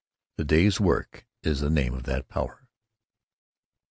The Day's Work is the name of that power.